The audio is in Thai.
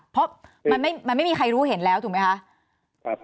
เพราะมันไม่มีใครรู้เห็นแล้วถูกไหมคะ